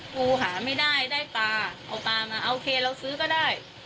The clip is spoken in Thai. ปูหาไม่ได้ได้ปลาเอาปลามาโอเคเราซื้อก็ได้